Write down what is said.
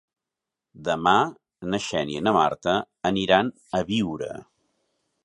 Demà na Xènia i na Marta aniran a Biure.